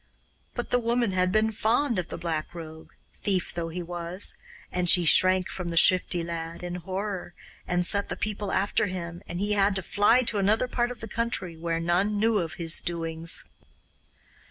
But the woman had been fond of the Black Rogue, thief though he was, and she shrank from the Shifty Lad in horror, and set the people after him, and he had to fly to another part of the country where none knew of his doings.